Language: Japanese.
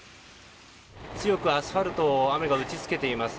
強くアスファルトを雨が打ち付けています。